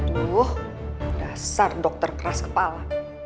dulu dasar dokter keras kepala